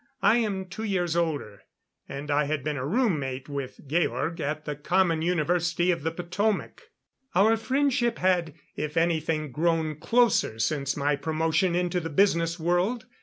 I am two years older; and I had been a room mate with Georg at the Common University of the Potomac. Our friendship had, if anything, grown closer since my promotion into the business world.